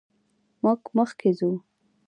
موږ مخکې ځو.